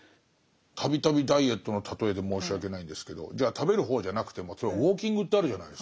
度々ダイエットの例えで申し訳ないんですけど食べる方じゃなくても例えばウォーキングってあるじゃないですか。